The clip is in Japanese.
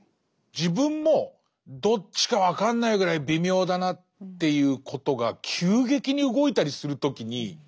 自分もどっちか分かんないぐらい微妙だなっていうことが急激に動いたりする時にちょっと怪しいですよね。